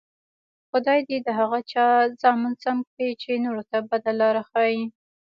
خدای دې د هغه چا زامن سم کړي، چې نورو ته بده لار ښیي.